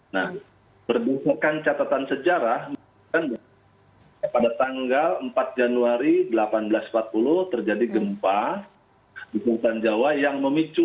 nah berdasarkan catatan sejarah pada tanggal empat januari seribu delapan ratus empat puluh terjadi gempa di selatan jawa yang memicu